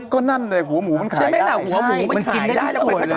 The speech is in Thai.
ก็นั่นเลยหัวหมูมันขายได้ใช่มันขายได้แล้วไปทิ้ง